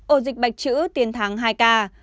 ổ dịch bạch chữ tiến thắng hai ca